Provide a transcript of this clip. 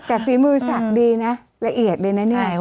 แต่ฝีมือศักดิ์ดีนะละเอียดเลยนะเนี่ย